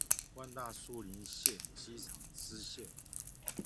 萬大樹林線機廠支線